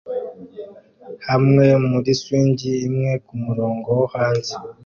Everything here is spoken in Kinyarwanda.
hamwe muri swing imwe kumurongo wo hanze